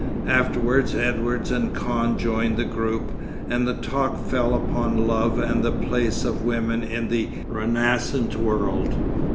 Afterwards Edwards and Kahn joined the group, and the talk fell upon love and the place of women in the renascent world.